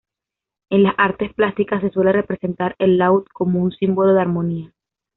En las artes plásticas se suele representar el laúd como un símbolo de armonía.